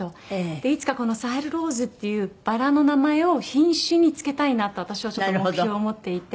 でいつかこのサヘル・ローズっていうバラの名前を品種に付けたいなと私は目標を持っていて。